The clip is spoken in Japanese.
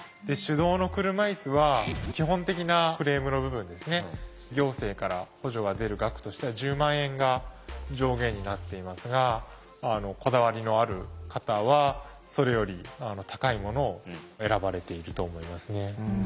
で手動の車いすは基本的なフレームの部分ですね行政から補助が出る額としては１０万円が上限になっていますがこだわりのある方はそれより高いものを選ばれていると思いますね。